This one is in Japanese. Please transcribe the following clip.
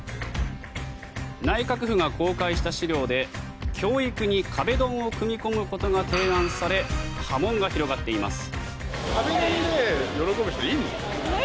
内閣府が公開した資料で教育に壁ドンを組み込むことが提案され波紋が広がっています。